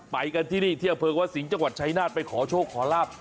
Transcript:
ไปกันที่นี่ที่อำเภอวัดสิงห์จังหวัดชายนาฏไปขอโชคขอลาบ